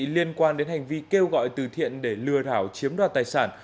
liên quan đến hành vi kêu gọi từ thiện để lừa đảo chiếm đoạt tài sản